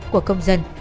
của công dân